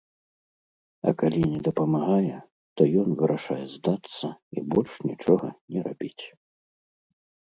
А калі не дапамагае, то ён вырашае здацца і больш нічога не рабіць.